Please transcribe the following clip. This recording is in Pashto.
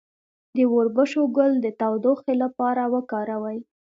د وربشو ګل د تودوخې لپاره وکاروئ